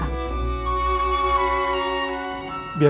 hai bagaimana caranya bidara